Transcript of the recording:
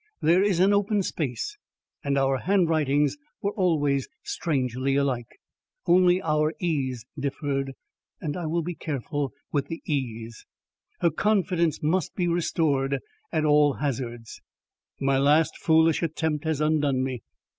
There is an open space, and our handwritings were always strangely alike. Only our e's differed, and I will be careful with the e's. HER confidence must be restored at all hazards. My last foolish attempt has undone me.